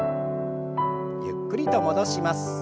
ゆっくりと戻します。